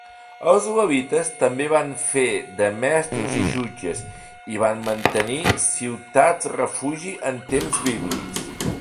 Els levites també van fer de mestres i jutges, i van mantenir ciutats refugi en temps bíblics.